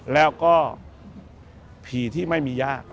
แล้วก็ผีที่ไม่มีญาติ